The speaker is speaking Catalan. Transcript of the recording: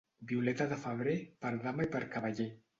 Violeta de febrer, per dama i per cavaller.